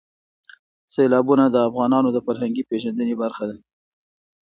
سیلابونه د افغانانو د فرهنګي پیژندنې برخه ده.